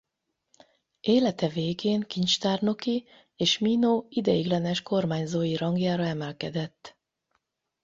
Élete végén kincstárnoki és Mino ideiglenes kormányzói rangjára emelkedett.